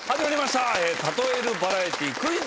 『たとえるバラエティクイズ！